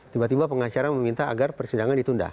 tiba tiba pengacara meminta agar persidangan ditunda